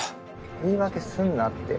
言い訳すんなって。